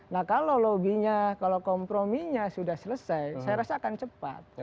nah kalau lobby nya kalau kompromi nya sudah selesai saya rasa akan cepat